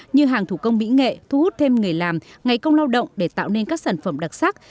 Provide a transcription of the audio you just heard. như hàng thủ công mỹ nghệ thu hút thêm người làm ngày công lao động để tạo nên các sản phẩm đặc sắc